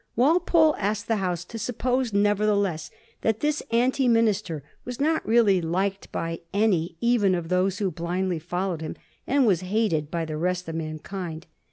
'* Walpole asked the House to suppose, nevertheless, that this anti minister was not really liked by any even of those who blindly followed him, and was hated by the rest of mankind.